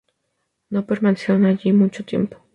No permanecieron allí mucho tiempo.